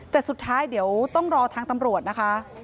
แต่สุดท้ายเดี๋ยวต้องรอทางตำรวจนะคะ